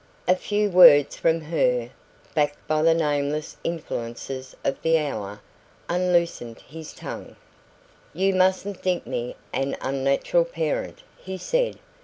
A few words from her, backed by the nameless influences of the hour, unloosed his tongue. "You mustn't think me an unnatural parent," he said.